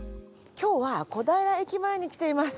今日は小平駅前に来ています。